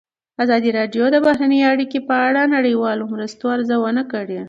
ازادي راډیو د بهرنۍ اړیکې په اړه د نړیوالو مرستو ارزونه کړې.